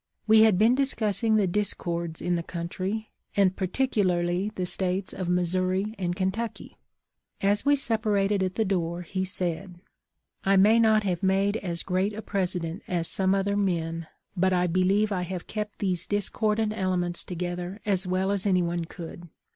We had been discussing the discords in the country, and particularly the States of Missouri and Kentucky. As we separated at the door he said, ' I may not have made as great a President as some other men, but I believe I have kept these discordant elements together as well as anyone could.'